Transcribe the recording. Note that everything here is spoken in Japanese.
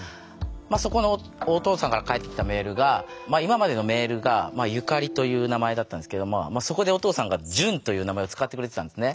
そこのお父さんから返ってきたメールがという名前だったんですけどそこでお父さんが「潤」という名前を使ってくれてたんですね。